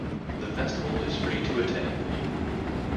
The festival is free to attend.